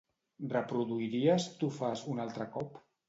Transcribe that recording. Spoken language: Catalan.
Reproduiries "Tu fas" un altre cop?